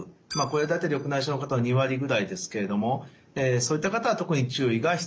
これだけで緑内障の方の２割ぐらいですけれどもそういった方は特に注意が必要になります。